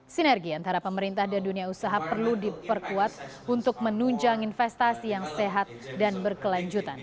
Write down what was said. sinergi antara pemerintah dan dunia usaha perlu diperkuat untuk menunjang investasi yang sehat dan berkelanjutan